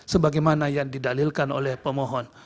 sebagaimana yang didalilkan oleh pemohon